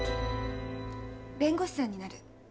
弁護士さんになる。